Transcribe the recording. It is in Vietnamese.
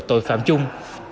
tội phạm chung